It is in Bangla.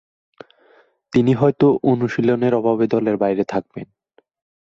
তিনি হয়তো অনুশীলনের অভাবে দলের বাইরে থাকবেন।